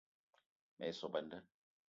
Me ye sop a nda